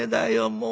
もう。